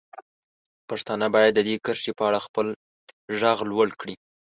پښتانه باید د دې کرښې په اړه خپل غږ لوړ کړي.